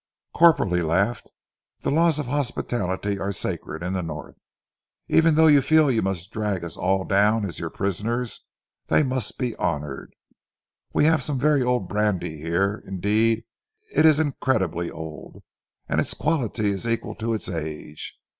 "Corporal," he laughed, "the laws of hospitality are sacred in the North. Even though you feel you must drag us all down as your prisoners, they must be honoured. We have some very old brandy here, indeed it is incredibly old, and its quality is equal to its age.